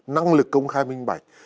năng lực công khai minh bạch